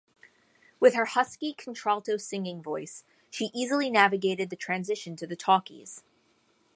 With her husky contralto singing voice she easily navigated the transition to the talkies.